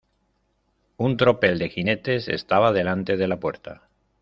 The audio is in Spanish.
un tropel de jinetes estaba delante de la puerta.